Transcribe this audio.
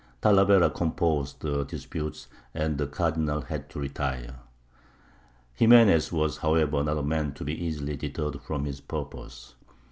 Talavera composed the disputes, and the Cardinal had to retire. Ximenes was, however, not a man to be easily deterred from his purpose.